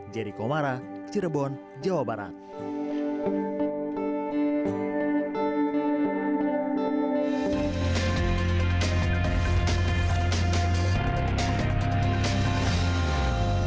jerry komara cirebon jawa barat